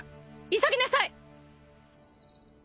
急ぎなさい！